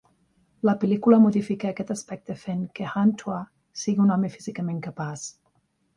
La pel·lícula modifica aquest aspecte fent que Hang Tuah sigui un home físicament capaç.